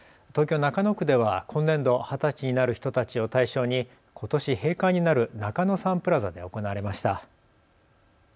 中野区では今年度二十歳になる人たちを対象にことし閉館になる中野サンプラザで行われました。